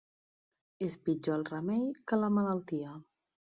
És pitjor el remei que la malaltia.